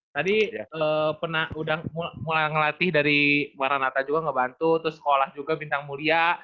tadi pernah udah mulai ngelatih dari baranata juga ngebantu terus sekolah juga bintang mulia